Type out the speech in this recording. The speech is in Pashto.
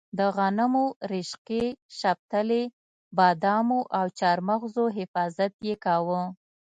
د غنمو، رشقې، شپتلې، بادامو او چارمغزو حفاظت یې کاوه.